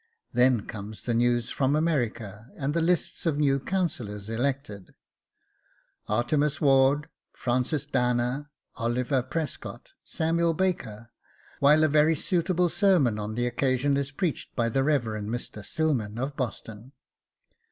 Then comes news from America and the lists of New Councillors elected: 'Artemus Ward, Francis Dana, Oliver Prescott, Samuel Baker, while a very suitable sermon on the occasion is preached by the Rev. Mr. Stillman of Boston.